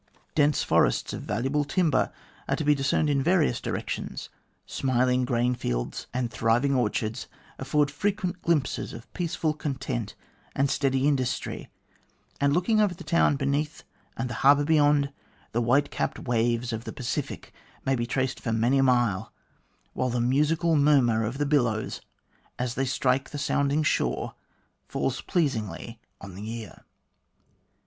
Dense forests of valuable timber are to be dis cerned in various directions, smiling grain fields and thriving orchards afford frequent glimpses of peaceful content and steady industry, and looking over the town beneath and the harbour beyond, the white capped waves of the Pacific may be traced for many a mile, while the musical murmur of the billows, as they strike the sounding shore, falls pleasingly on the ear.